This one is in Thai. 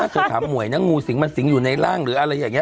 เธอถามหวยนะงูสิงมันสิงอยู่ในร่างหรืออะไรอย่างนี้